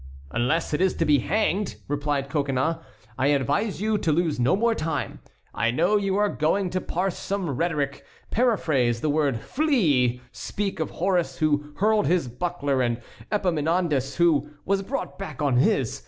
"Unless it is to be hanged," replied Coconnas, "I advise you to lose no more time. I know you are going to parse some rhetoric, paraphrase the word 'flee,' speak of Horace, who hurled his buckler, and Epaminondas, who was brought back on his.